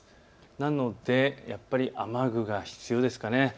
なのでやっぱり雨具が必要ですかね。